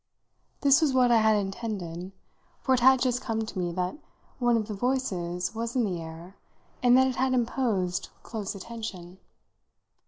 This was what I had intended, for it had just come to me that one of the voices was in the air and that it had imposed close attention.